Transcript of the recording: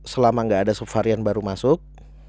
selama nggak ada subvarian baru masuk